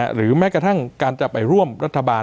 หรือแม้กระทั่งการจะไปร่วมรัฐบาล